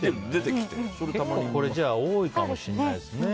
これ、多いかもしれないですね。